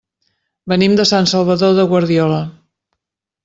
Venim de Sant Salvador de Guardiola.